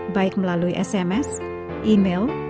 baik melalui sms email